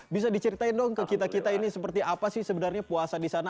bisa diceritain dong ke kita kita ini seperti apa sih sebenarnya puasa di sana